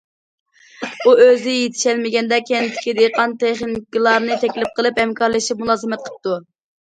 ئۇ ئۆزى يېتىشەلمىگەندە، كەنتتىكى دېھقان تېخنىكلارنى تەكلىپ قىلىپ، ھەمكارلىشىپ مۇلازىمەت قىپتۇ.